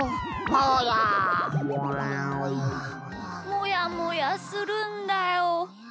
もやもやするんだよ。